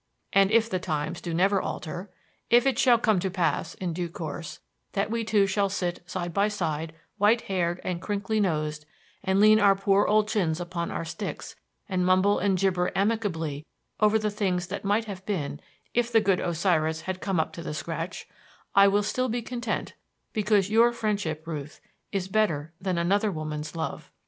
And if the times do never alter if it shall come to pass, in due course, that we two shall sit side by side, white haired, and crinkly nosed, and lean our poor old chins upon our sticks and mumble and gibber amicably over the things that might have been if the good Osiris had come up to the scratch I will still be content, because your friendship, Ruth, is better than another woman's love.